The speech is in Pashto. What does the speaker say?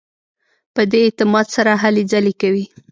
په دې اعتماد سره هلې ځلې کوي.